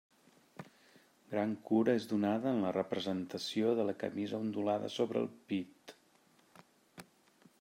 Gran cura és donada en la representació de la camisa ondulada sobre el pit.